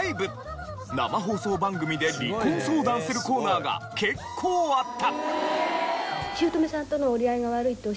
生放送番組で離婚相談するコーナーが結構あった。